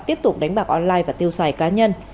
tiếp tục đánh bạc online và tiêu xài cá nhân